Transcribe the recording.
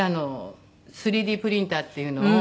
３Ｄプリンターっていうのを。